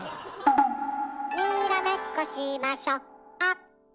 「にらめっこしましょあっぷっぷ」